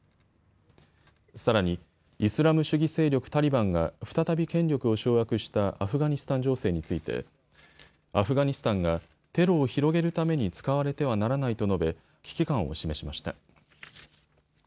さらに、イスラム主義勢力タリバンが再び権力を掌握したアフガニスタン情勢についてアフガニスタンがテロを広げるために使われてはならないと述べ危機感を示しました。